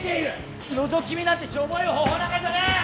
のぞき見なんてしょぼい方法なんかじゃねえ。